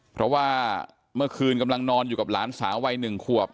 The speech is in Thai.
เพราะว่าเมื่อคืนกำลังนอนอยู่กับหลานสาววัย๑ขวบ